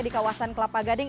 di kawasan kelapa gading